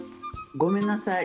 ごめんなさい。